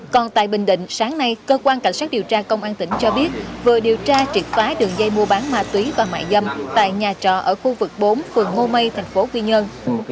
còn tại bình định sáng nay cơ quan cảnh sát điều tra công an tỉnh cho biết vừa điều tra triệt phá đường dây mua bán ma túy và mại dâm tại nhà trọ ở khu vực bốn phường ngô mây thành phố quy nhơn